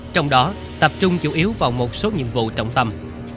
trong đó tập trung chủ yếu vào một số nhiệm vụ trọng tâm